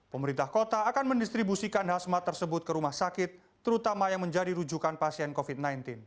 pemerintah kota akan mendistribusikan hasmat tersebut ke rumah sakit terutama yang menjadi rujukan pasien covid sembilan belas